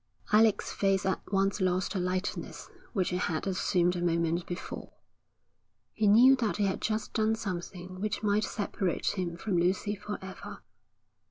Alec's face at once lost the lightness which it had assumed a moment before. He knew that he had just done something which might separate him from Lucy for ever.